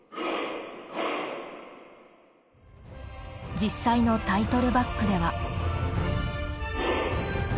実際のタイトルバックでは。